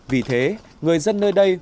vì thế người dân nơi đây